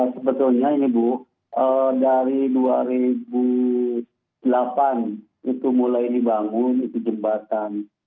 sebetulnya ini bu dari dua ribu delapan itu mulai dibangun itu jembatan